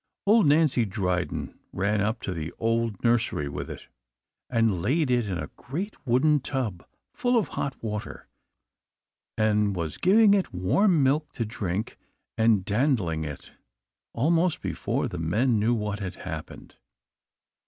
Old Nancy Dryden ran up to the old nursery with it, and laid it in a great wooden tub full of hot water, and was giving it warm milk to drink, and dandling it, almost before the men knew what had happened.